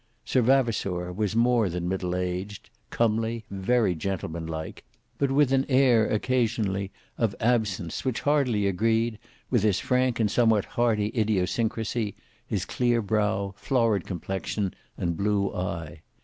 Sir Vavasour was more than middle aged, comely, very gentlemanlike, but with an air occasionally of absence which hardly agreed with his frank and somewhat hearty idiosyncracy; his clear brow, florid complexion, and blue eye.